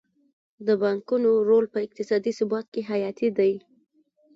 د بانکونو رول په اقتصادي ثبات کې حیاتي دی.